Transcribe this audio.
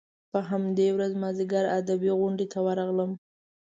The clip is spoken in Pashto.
په همدې ورځ مازیګر ادبي غونډې ته ورغلم.